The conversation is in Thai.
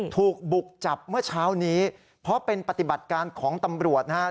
ถูกบุกจับเมื่อเช้านี้เพราะเป็นปฏิบัติการของตำรวจนะครับ